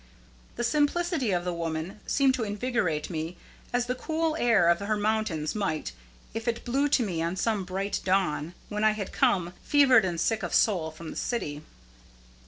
The simplicity of the woman seemed to invigorate me as the cool air of her mountains might if it blew to me on some bright dawn, when I had come, fevered and sick of soul, from the city.